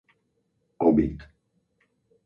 Obid